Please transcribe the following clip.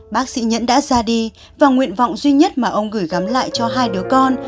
bác sĩ nhẫn đã ra đi và nguyện vọng duy nhất mà ông gửi gắm lại cho hai đứa con